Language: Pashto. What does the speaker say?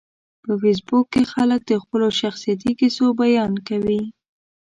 په فېسبوک کې خلک د خپلو شخصیتي کیسو بیان کوي